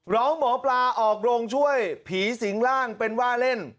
ร้องหมอปลาออกโรงช่วยผีสิงร่างเป็นว่าเล่น